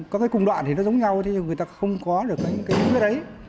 có cái cùng đoạn thì nó giống nhau thế nhưng mà người ta không có được cái nguyên liệu đấy